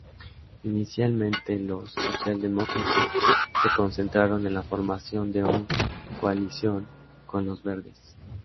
Inicialmente, los socialdemócratas se concentraron en la formación de una coalición con los Verdes.